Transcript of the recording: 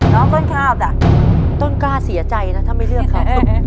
น้องต้นข้าวจ้ะต้นกล้าเสียใจนะถ้าไม่เลือกครับ